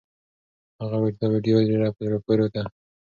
هغه وویل چې دا ویډیو ډېره په زړه پورې ده.